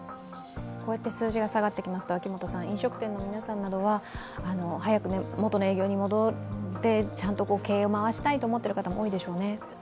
こうやって数字が下がってきますと飲食店の皆さんは早くもとの営業に戻って、ちゃんと経営を回したいと思っている方も多いでしょうね。